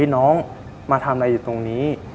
น้องมาทำอะไรอยู่ตรงนี้